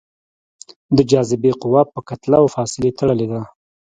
د جاذبې قوه په کتله او فاصلې تړلې ده.